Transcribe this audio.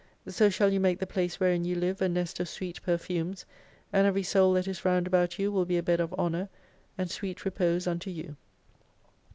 So shall you make the place wherein you live a nest of sweet perfumes, and every Soul that is round about you will be a bed of Honour, and sweet repose unto you.